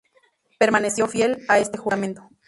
Permaneció fiel a este juramento.